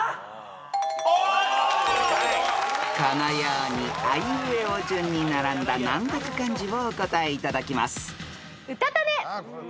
［このようにあいうえお順に並んだ難読漢字をお答えいただきます］